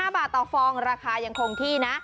๕บาทต่อฟองราคายังคงที่นะ